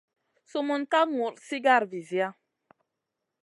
Sumun ka ŋur sigara visia.